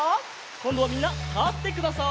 こんどはみんなたってください。